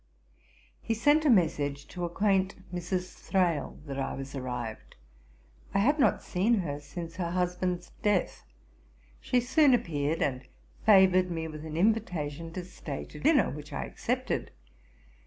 He sent a message to acquaint Mrs. Thrale that I was arrived. I had not seen her since her husband's death. She soon appeared, and favoured me with an invitation to stay to dinner, which I accepted.